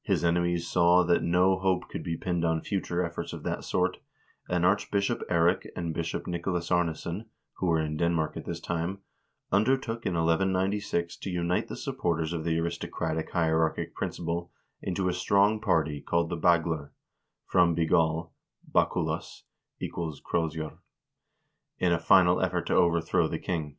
His enemies saw that no hope could be pinned on future efforts of that sort, and Archbishop Eirik and Bishop Nicolas Arnesson, who were in Den mark at this time, undertook in 1196 to unite the supporters of the aristocratic hierarchic principle into a strong party called the " Bag ler" (from begall, baculus = crozier) in a final effort to overthrow the king.